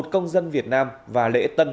một công dân việt nam và lễ tân